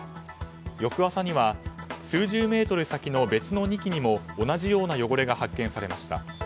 翌朝には数十メートル先の別の２基にも同じような汚れが発見されました。